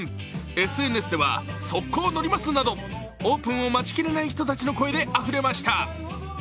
ＳＮＳではオープンを待ちきれない人たちの声であふれました。